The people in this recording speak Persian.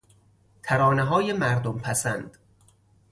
ترانههای مردم پسند